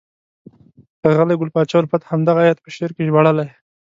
ښاغلي ګل پاچا الفت همدغه آیت په شعر کې ژباړلی: